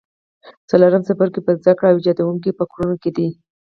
څلورم څپرکی په زده کړه او ایجادوونکو فکرونو دی.